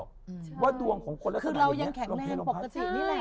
คือเรายังแข็งแรงปกตินี่แหละ